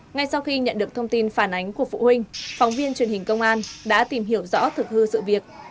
ngay sau khi nhận được thông tin phản ánh của phụ huynh phóng viên truyền hình công an đã tìm hiểu rõ thực hư sự việc